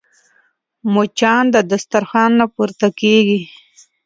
مچان د دسترخوان نه پورته کېږي